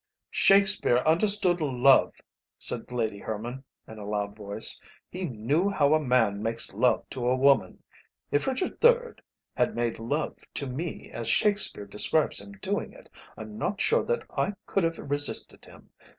'" "Shakespeare understood love," said Lady Herman, in a loud voice; "he knew how a man makes love to a woman. If Richard III. had made love to me as Shakespeare describes him doing it, I'm not sure that I could have resisted him.